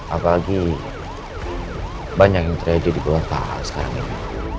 apalagi banyak yang terjadi di luar pak al sekarang ini